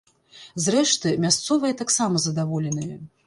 Зрэшты, мясцовыя таксама задаволеныя.